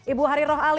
ibu hariroh ali